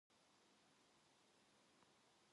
어머니는 돌아누운 채 울음 반죽으로 대답을 한다.